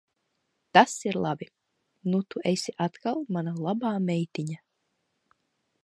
Tas ir labi. Nu tu esi atkal mana labā meitiņa.